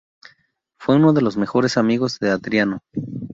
Fue uno de los mejores amigos de Adriano.